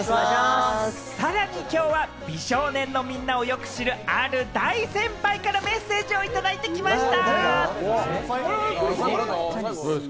さらにきょうは美少年のみんなをよく知るある大先輩からメッセージをいただいてきました！